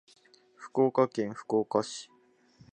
福岡県福岡市